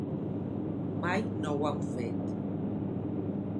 Mai no ho han fet.